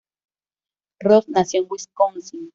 Roz nació en Wisconsin.